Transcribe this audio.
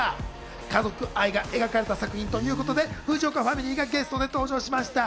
家族愛が描かれた作品ということで、藤岡ファミリーがゲストで登場しました。